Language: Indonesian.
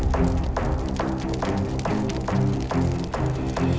mas itu kan bola api